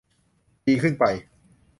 ปีขึ้นไป